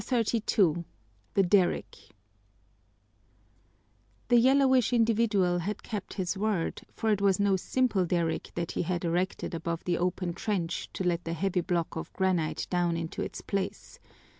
CHAPTER XXXII The Derrick The yellowish individual had kept his word, for it was no simple derrick that he had erected above the open trench to let the heavy block of granite down into its place.